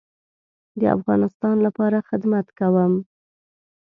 د افغانستان لپاره خدمت کوم